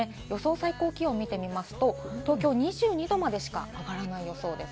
最高気温を見てみますと、東京２２℃までしか上がらない予想です。